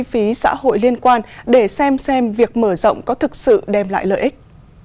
phí xã hội liên quan để xem xem việc mở rộng có thực sự đem lại lợi ích